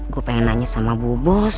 gue pengen nanya sama bu bos